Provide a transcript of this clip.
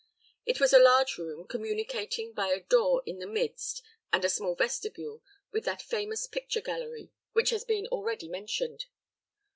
It was a large room, communicating, by a door in the midst and a small vestibule, with that famous picture gallery which has been already mentioned.